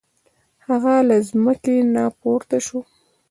هغه له ځمکې نه پورته شو.